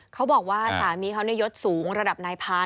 เขาบอกว่าสามีเขายดสูงระดับนายพาน